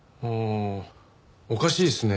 おかしいですね。